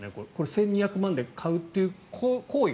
１２００万で買うという行為が。